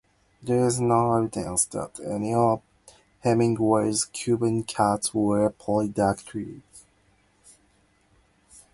There is no evidence that any of Hemingway's Cuban cats were polydactyl.